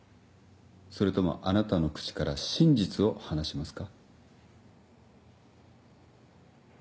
それともあなたの口から真実を話しますか。